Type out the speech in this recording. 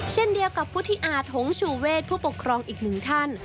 เช่นเดียวกับพุทธิอาจหงชูเวทผู้ปกครองอีกหนึ่งท่าน